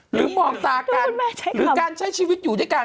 มองตากันหรือการใช้ชีวิตอยู่ด้วยกัน